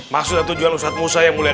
maksud dan tujuan ustaz musa yang mulia dasar